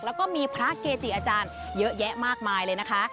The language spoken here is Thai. แล้วก็มีพระเกจิอาจารย์เยอะแยะมากมายเลยนะคะ